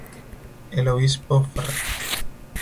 El Obispo Fr.